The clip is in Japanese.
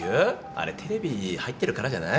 あれテレビ入ってるからじゃない。